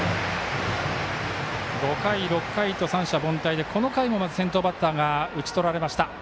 ５回、６回と三者凡退でこの回も先頭バッターが打ち取られました。